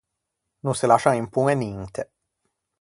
No se lascian impoñe ninte.